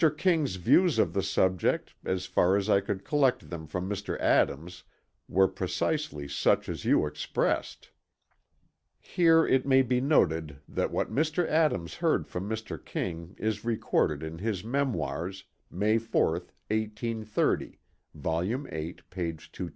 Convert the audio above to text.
King's views of the subject, as far as I could collect them from Mr. Adams, were precisely such as you expressed." Here it may be noted that what Mr. Adams heard from Mr. King is recorded in his Memoirs, May 4, 1830, Vol. VIII, p. 225.